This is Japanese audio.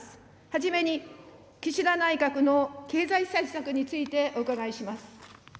はじめに岸田内閣の経済政策についてお伺いします。